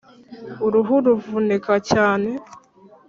uruhu ruvunika cyane